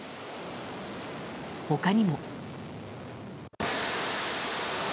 他にも。